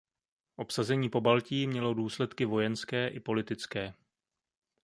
Obsazení Pobaltí mělo důsledky vojenské i politické.